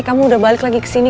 kamu udah balik lagi kesini